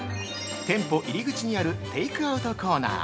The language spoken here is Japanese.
◆店舗入り口にあるテイクアウトコーナー。